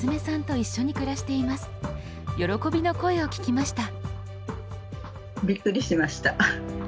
喜びの声を聞きました。